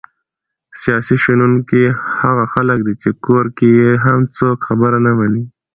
سیاسي شنونکي هغه خلک دي چې کور کې یې هم څوک خبره نه مني!